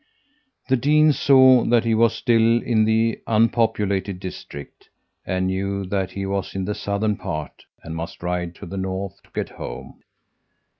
The dean saw that he was still in the unpopulated district and knew that he was in the southern part and must ride to the north to get home.